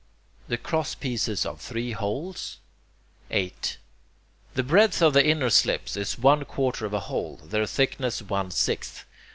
the crosspieces of three holes? 8. The breadth of the inner slips is one quarter of a hole; their thickness one sixth.